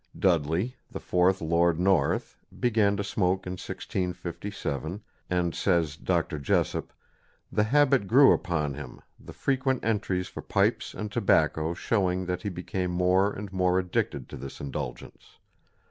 Dudley, the fourth Lord North, began to smoke in 1657, and, says Dr. Jessopp, "the habit grew upon him, the frequent entries for pipes and tobacco showing that he became more and more addicted to this indulgence.